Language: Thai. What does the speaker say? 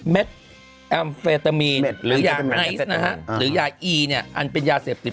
เม็ดแอลเฟเตอร์มีนหรือยาหรือยาอีเนี่ยอันเป็นยาเสพติด